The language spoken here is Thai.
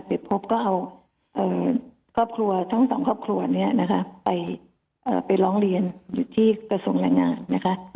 ไปพบก็เอาครอบครัวทั้งสองครอบครัวนี้นะคะไปร้องเรียนอยู่ที่กระทรวงแรงงานนะคะ